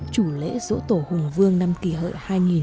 chủ lễ dỗ tổ hùng vương năm kỳ hợi hai nghìn một mươi chín